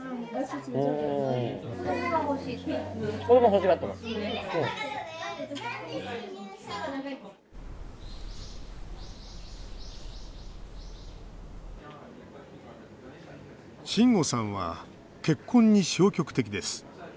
しんごさんは結婚に消極的です。